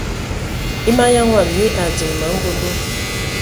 E manyaŋ wɔm nyina a diŋ ma angondo.